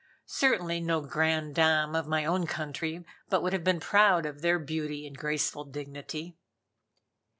Certainly no "grande dame" of my own country but would have been proud of their beauty and graceful dignity.